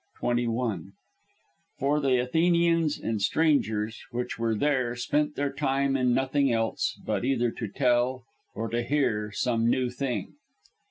21: "For the Athenians and strangers which were there spent their time in nothing else, but either to tell, or to hear some new thing!"